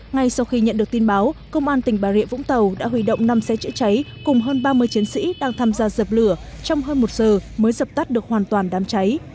ngay sau khi nhận được tin báo công an tỉnh bà rịa vũng tàu đã huy động năm xe chữa cháy cùng hơn ba mươi chiến sĩ đang tham gia dập